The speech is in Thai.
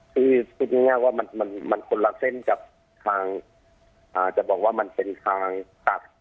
คือพูดง่ายว่ามันคนละเส้นกับทางจะบอกว่ามันเป็นทางตัด